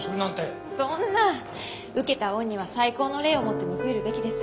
そんな受けた恩には最高の礼をもって報いるべきです。